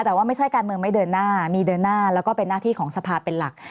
แต่ว่าไม่ใช่การเมืองไม่เดินหน้ามีเดินหน้าแล้วก็เป็นหน้าที่ของสภาเป็นหลัก